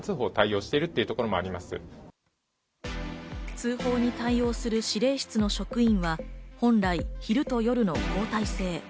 通報に対応する指令室の職員は本来、昼と夜の交替制。